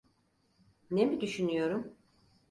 Ne mi düşünüyorum?